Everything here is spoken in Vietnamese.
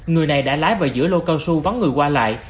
người này đã lái vào giữa lô cao su vắng người qua lại